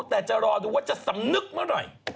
แต่จะรอดูว่าจะสำนึกเมื่อไหร่